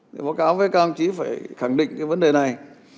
với báo cáo với các ông chỉ phải khẳng định cái vấn đề này